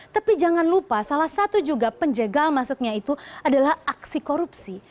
tapi jangan lupa salah satu juga penjegal masuknya itu adalah aksi korupsi